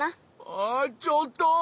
あちょっと！